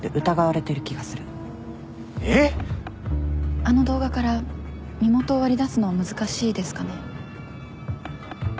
あの動画から身元を割り出すのは難しいですかね。